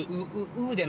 「う」で。